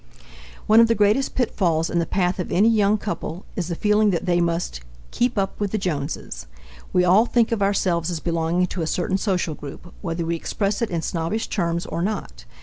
One of the greatest pitfalls in the path of any young couple is the feeling that they must "keep up with the Joneses." We all think of ourselves as belonging to a certain social group whether we express it in snobbish terms or not.